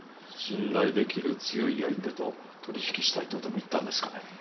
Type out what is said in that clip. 信頼できる強い相手と取引したいとでも言ったんですかね？